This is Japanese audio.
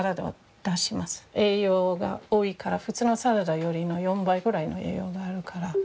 栄養が多いから普通のサラダより４倍ぐらいの栄養があるから。